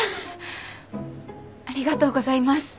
ありがとうございます。